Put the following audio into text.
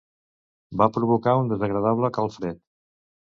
Va provocar un desagradable calfred.